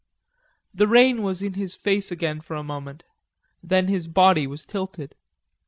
The rain was in his face again for a moment, then his body was tilted.